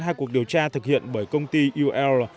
hai cuộc điều tra thực hiện bởi công ty ul